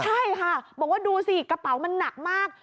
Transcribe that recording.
ใช่ค่ะบอกว่าดูสิกระเป๋ามันหนักมาก